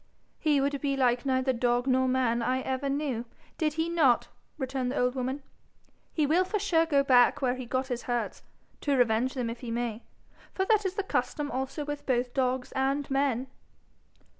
'He would be like neither dog nor man I ever knew, did he not.' returned the old woman. 'He will for sure go back where he got his hurts to revenge them if he may, for that is the custom also with both dogs and men.'